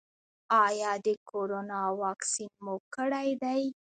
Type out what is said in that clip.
ایا د کرونا واکسین مو کړی دی؟